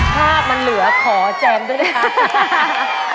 ภาพมันเหลือขอแจมด้วยนะคะ